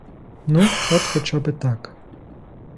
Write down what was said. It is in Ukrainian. Ну, от хоч би так.